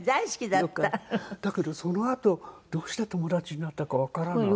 だけどそのあとどうして友達になったかわからない。